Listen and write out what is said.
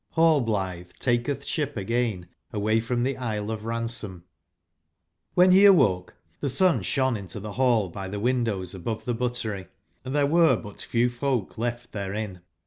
Rallblitbc takctb ship again away the Isle of Ransom ^^ jRBJV be awoke, tbe sun sbone into tbe ball by tbe windows a bove tbe buttery, and tbere were but few folk left therein.